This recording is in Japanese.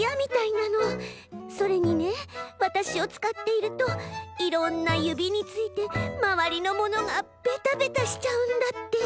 それにねわたしをつかっているといろんなゆびについてまわりのものがベタベタしちゃうんだって。